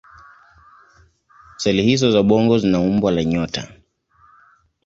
Seli hizO za ubongo zina umbo la nyota.